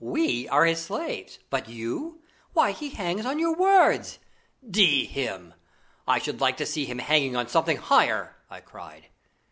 We are his slaves. But you? Why, he hangs on your words!" "D him! I should like to see him hanging on something higher!" I cried.